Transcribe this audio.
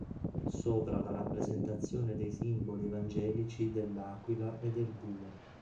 Sopra la rappresentazione dei simboli evangelici dell'aquila e del bue.